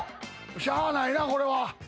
しゃあないなこれは。